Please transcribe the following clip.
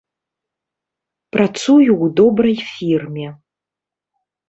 Працую ў добрай фірме.